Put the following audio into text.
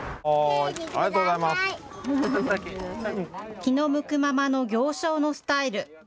気の向くままの行商のスタイル。